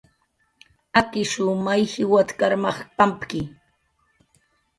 Akishw may jiwat karmaj pampki